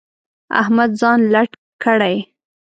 احمد ځان لټ کړی.